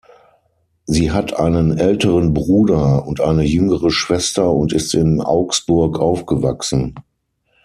Sie hat einen älteren Bruder und eine jüngere Schwester und ist in Augsburg aufgewachsen.